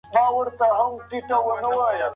فشار د ځان ارزښت کموي.